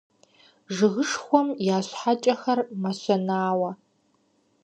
Жыгышхуэхэм я щхьэкӀэхэр мэщэнауэ.